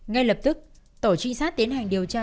ngay lập tức tổ trinh sát tiến hành điều tra